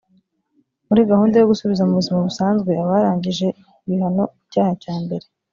muri gahunda yo gusubiza mu buzima busanzwe abarangije ibihano ku cyaha cyambere